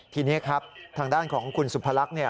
ทีนี้ครับทางด้านของคุณสุภลักษณ์